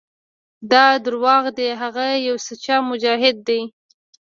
دا دروغ دي هغه يو سوچه مجاهد دى.